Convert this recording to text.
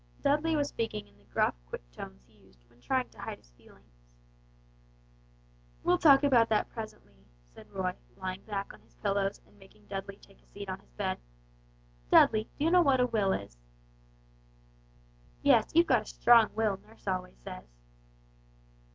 Dudley was speaking in the gruff quick tones he used when trying to hide his feelings. "We'll talk about that presently," said Roy, lying back on his pillows and making Dudley take a seat on his bed. "Dudley, do you know what a will is?" "Yes; you've a strong will nurse always says."